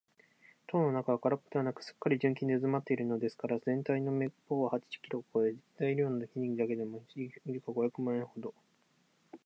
塔の中はからっぽではなく、すっかり純金でうずまっているのですから、ぜんたいの目方は八十キロをこえ、材料の金だけでも時価五百万円ほど